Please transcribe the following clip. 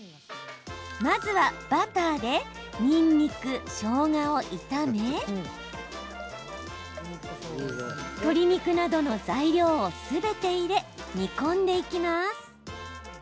まずは、バターでにんにく、しょうがを炒め鶏肉などの材料をすべて入れ煮込んでいきます。